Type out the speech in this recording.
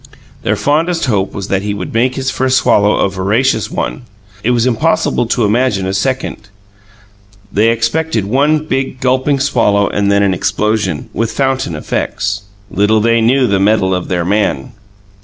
Their fondest hope was that he would make his first swallow a voracious one it was impossible to imagine a second. They expected one big, gulping swallow and then an explosion, with fountain effects. Little they knew the mettle of their man!